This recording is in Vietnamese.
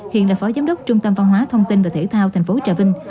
hiện là phó giám đốc trung tâm văn hóa thông tin và thể thao tp trà vinh